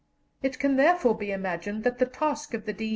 It can therefore be imagined that the task of the D.